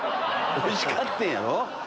おいしかってんやろ？